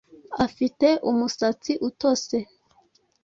Afite umusatsi utose